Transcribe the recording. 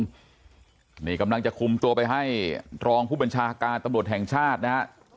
นี่กำลังจะคุมตัวไปให้รองผู้บัญชาการตำรวจแห่งชาตินะฮะ